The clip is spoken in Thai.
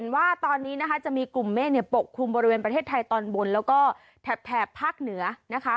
ว่าตอนนี้นะคะจะมีกลุ่มเมฆปกคลุมบริเวณประเทศไทยตอนบนแล้วก็แถบภาคเหนือนะคะ